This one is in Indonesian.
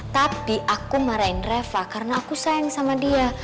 tapi aku marahin reva karena aku sayang sama dia